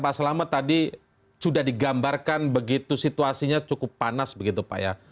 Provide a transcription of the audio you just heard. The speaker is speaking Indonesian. pak selamat tadi sudah digambarkan begitu situasinya cukup panas begitu pak ya